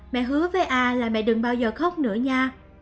mẹ hứa với a là mẹ đừng bao giờ khóc nửa nha